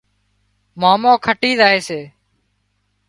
مامو کٽِي زائي سي